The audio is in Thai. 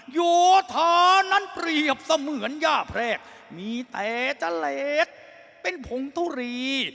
โยธานั้นเปรียบเสมือนย่าแพรกมีแต่จะเลสเป็นผงทุรี